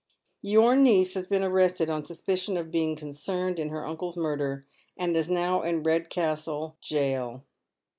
Your niece has been arrested on suspicion of being concerned in her ancle's murder, and is now in Eedcastle gaol."